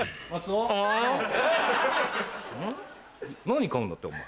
何買うんだってお前。